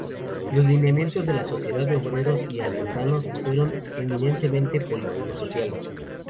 Los lineamientos de la Sociedad de Obreros y Artesanos fueron eminentemente político-sociales.